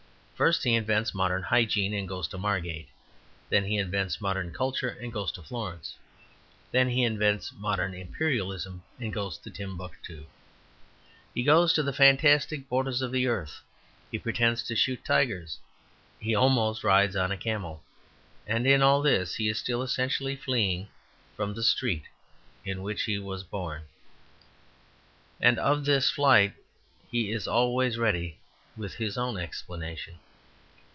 First he invents modern hygiene and goes to Margate. Then he invents modern culture and goes to Florence. Then he invents modern imperialism and goes to Timbuctoo. He goes to the fantastic borders of the earth. He pretends to shoot tigers. He almost rides on a camel. And in all this he is still essentially fleeing from the street in which he was born; and of this flight he is always ready with his own explanation.